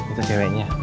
iya bro itu ceweknya